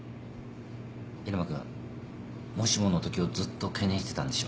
入間君もしものときをずっと懸念してたんでしょ。